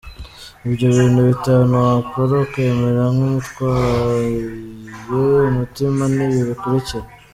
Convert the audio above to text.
Ibyo bintu bitanu wakora ukamera nk’umutwaye umutima ni ibi bikurikira:.